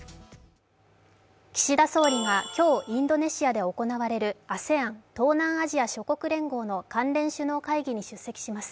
岸田総理が今日、インドネシアで行われるＡＳＥＡＮ＝東南アジア諸国連合の関連首脳会議に出席します。